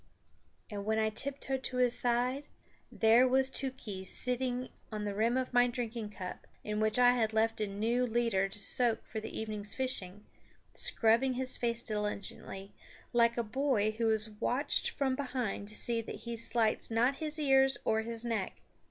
And when I tiptoed to his side, there was Tookhees sitting on the rim of my drinking cup, in which I had left a new leader to soak for the evening's fishing, scrubbing his face diligently, like a boy who is watched from behind to see that he slights not his ears or his neck.